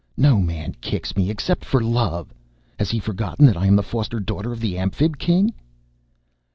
"No man kicks me except for love. Has he forgotten that I am the foster daughter of the Amphib King?"